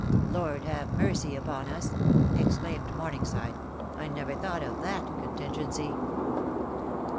"Lord have mercy upon us," exclaimed Morningside, "I never thought of that contingency."